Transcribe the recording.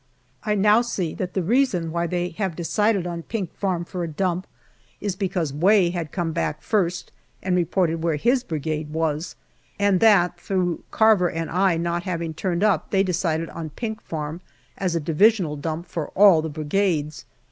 I now see that the reason why they have decided on Pink Farm for a dump is because Way had come back first and reported where his Brigade was, and that through Carver and I not having turned up they decided on Pink Farm as a Divisional dump for all the Brigades.